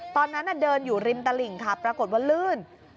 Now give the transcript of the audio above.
ตอนนั้นเดินอยู่ริมตลิ่งค่ะปรากฏว่าลื่น